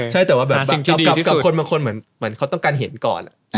ใช่แต่ว่าแบบกับคนบางคนเหมือนเขาต้องการเห็นก่อน